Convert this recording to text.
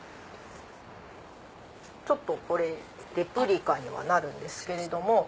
これレプリカにはなるんですけれども。